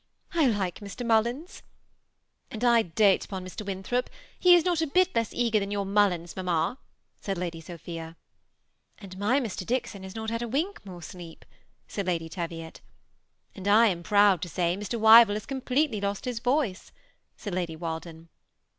I like Mr. Mullins." ^ And I dote upon Mr. Winthrop : he is not a bit less eager than your MuUins, mamma," said Lady Sophia. ^And my Mr. Dickson has not had a wink more sleep," said Lady Teviot ^ And I am proud to say Mr. Wyvill has completely lost his voice," said Lady Walden.